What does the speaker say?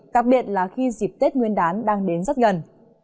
các biện là khi dịp tết nguyên đán đang đến rất gần